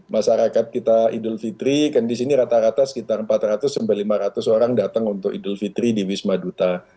masyarakat kita idul fitri kan di sini rata rata sekitar empat ratus sampai lima ratus orang datang untuk idul fitri di wisma duta